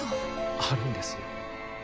あるんですよ。